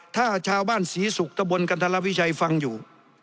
ถ้าชาวบ้านศรีศุกร์ตะบนกันทรวิชัยฟังอยู่